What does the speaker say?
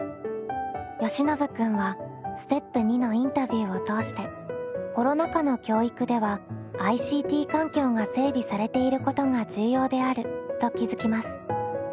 よしのぶ君はステップ２のインタビューを通してコロナ禍の教育ではＩＣＴ環境が整備されていることが重要であると気付きます。